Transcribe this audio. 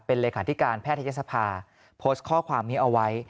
เป็นเลขาธิการแพทยศภาโพสต์ข้อความนี้เอาไว้